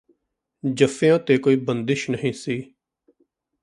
ਜੱਫਿਆਂ ਤੇ ਕੋਈ ਬੰਦਿਸ਼ ਨਹੀਂ ਸੀ